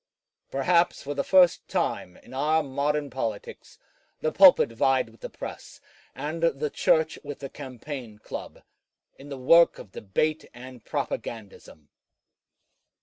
Perhaps for the first time in our modern politics, the pulpit vied with the press, and the Church with the campaign club, in the work of debate and propagandism.